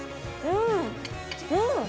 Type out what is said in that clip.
うん！